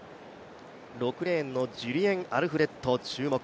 ６レーンのジュリエン・アルフレッド、注目。